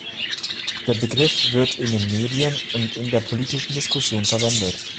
Der Begriff wird in den Medien und in der politischen Diskussion verwendet.